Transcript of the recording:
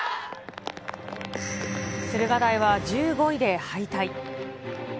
駿河台は１５位で敗退。